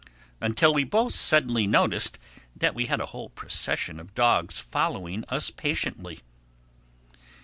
until we both suddenly noticed that we had a whole procession of dogs following us patiently.